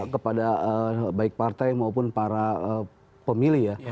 kepada baik partai maupun para pemilih ya